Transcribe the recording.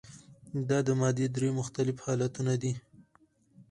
دا د مادې درې مختلف حالتونه دي.